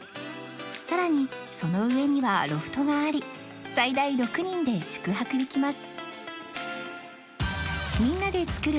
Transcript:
さらにその上にはロフトがあり最大６人で宿泊できます